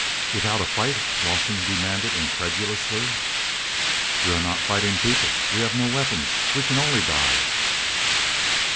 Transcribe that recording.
"Without a fight?" Rawson demanded incredulously. "We are not a fighting people. We have no weapons. We can only die."